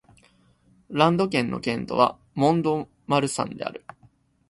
ランド県の県都はモン＝ド＝マルサンである